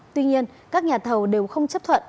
tuy nhiên các nhà thầu đều không chấp thuận